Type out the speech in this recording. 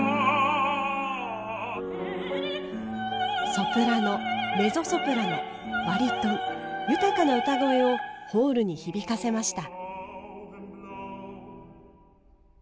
ソプラノメゾソプラノバリトン豊かな歌声をホールに響かせました。